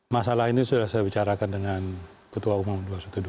masalah ini sudah saya bicarakan dengan ketua umum dua ratus dua belas